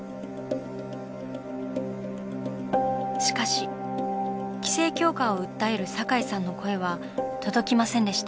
しかし規制強化を訴える堺さんの声は届きませんでした。